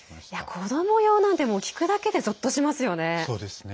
子ども用なんて、もう聞くだけでぞっとしますよね。